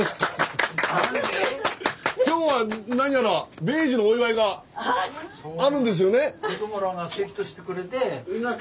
今日は何やら米寿のお祝いがあるんですよね？